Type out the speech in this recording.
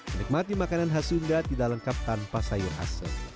menikmati makanan hasunda tidak lengkap tanpa sayur asem